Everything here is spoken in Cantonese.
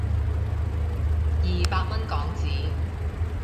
二百蚊港紙